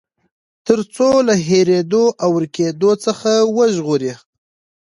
تر څو له هېريدو او ورکېدو څخه وژغوري.